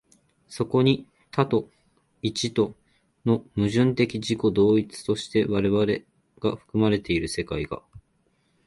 そこに多と一との矛盾的自己同一として我々が含まれている世界が、